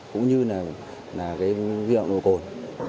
cũng như là cái nguyên nhân nồng độ cồn